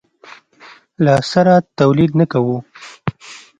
له سره تولید نه کوو.